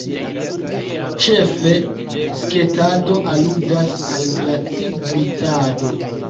Ĉefe, sketado aludas al glaci-glitado.